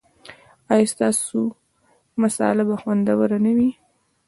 ایا ستاسو مصاله به خوندوره نه وي؟